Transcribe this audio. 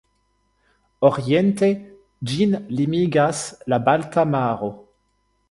Oriente ĝin limigas la Balta Maro.